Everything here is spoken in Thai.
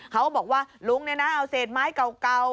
เขาบอกว่าลุงเอาเศษไม้เก่า